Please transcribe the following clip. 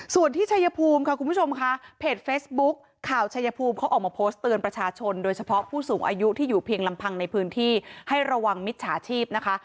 ส่วนที่ชัยภูมิค่ะคุณผู้ชมค่ะเพจเฟซบุ๊คข่าวชายภูมิเขาออกมาโพสต์เตือนประชาชนโดยเฉพาะผู้สูงอายุที่อยู่เพียงลำพังในพื้นที่ให้ระวังมิจฉาชีพนะคะ